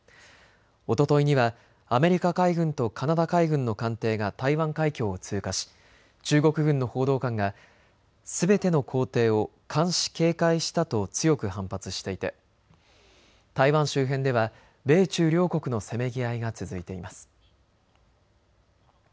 おとといにはアメリカ海軍とカナダ海軍の艦艇が台湾海峡を通過し中国軍の報道官がすべての行程を監視・警戒したと強く反発していて台湾周辺では米中両国のせめぎ合いが続いています。